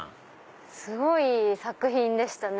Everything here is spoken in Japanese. すごい作品でしたね